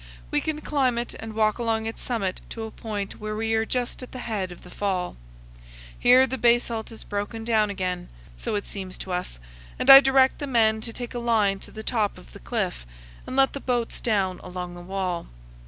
We can climb it and walk along its summit to a point where we are just at the head of the fall. Here the basalt is broken down again, so it seems to us, and I direct the men to take a line to the top of the cliff and let the boats down along the wall.